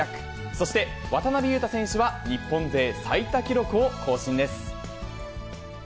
そして渡邊雄太選手は日本勢最多記録を更新です。